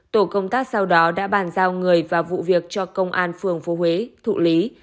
tổ công tác sau đó đã bàn giao người và vụ việc cho công an phường phố huế thụ lý